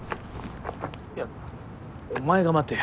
いやお前が待てよ。